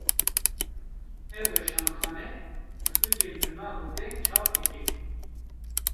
Ev weşanxane, pirtûkên bi nav û deng çap dike